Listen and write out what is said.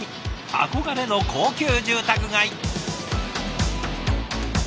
憧れの高級住宅街。